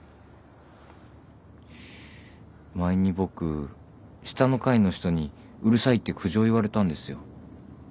前に僕下の階の人にうるさいって苦情言われたんですよ。